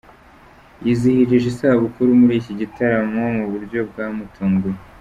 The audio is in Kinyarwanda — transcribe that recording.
Yizihirije isabukuru muri iki gitaramo mu buryo bwamutunguye.